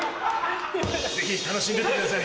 ぜひ楽しんでってください。